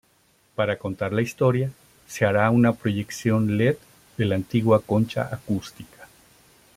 Para contar la historia se hará una proyección led de la antigua concha acústica.